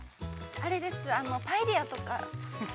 あれです、あのパエリヤとか。